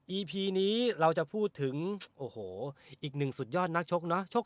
อีพีนี้เราจะพูดถึงโอ้โหอีกหนึ่งสุดยอดนักชกเนอะ